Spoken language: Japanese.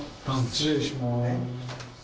失礼します。